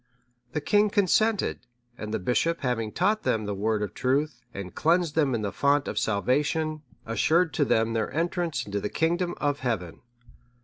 The king consented, and the bishop having taught them the Word of truth, and cleansed them in the font of salvation, assured to them their entrance into the kingdom of Heaven.